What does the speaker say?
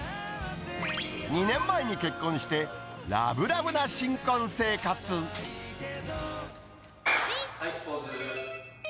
２年前に結婚して、はい、ポーズ。